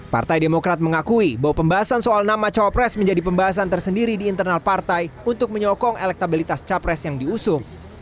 partai demokrat mengakui bahwa pembahasan soal nama cawapres menjadi pembahasan tersendiri di internal partai untuk menyokong elektabilitas capres yang diusung